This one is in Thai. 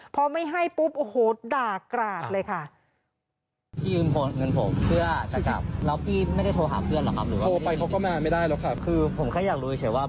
พอไม่ให้ปุ๊บโอ้โหด่ากราดเลยค่ะ